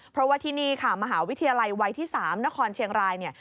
เพราะว่าที่นี่ค่ะมหาวิทยาลัยวัยที่๓นครเชียงรายเนี่ย